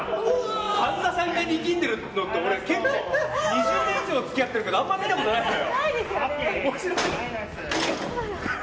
神田さんが力んでるのって、俺２０年以上付き合ってるけどあまり見たことないのよ。